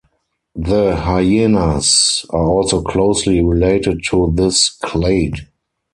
The hyenas are also closely related to this clade.